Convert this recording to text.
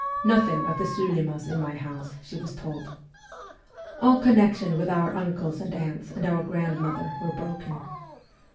' Nothing of the Sulimas in my house,' she was told. All connection with our uncles and aunts and our grandmother were broken.